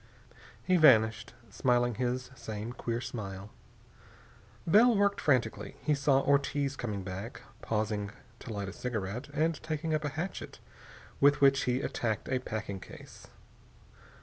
He vanished, smiling his same queer smile. Bell worked frantically. He saw Ortiz coming back, pausing to light a cigarette, and taking up a hatchet, with which he attacked a packing case.